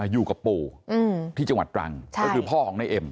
อยู่กับปู่ที่จังหวัดตรังก็คือพ่อของนายเอ็ม